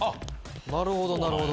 なるほどなるほど。